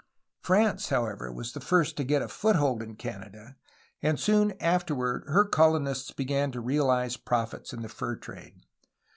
France, however, was first to get a foothold in Can ada, and soon afterward her colonists began to realize profits in the fur trade.